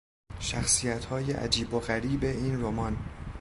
شخصیتهای عجیب و غریب این رمان